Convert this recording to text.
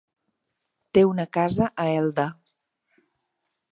Té una casa a Elda.